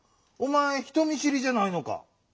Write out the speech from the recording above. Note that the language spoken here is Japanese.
おまえ人見しりじゃないのか？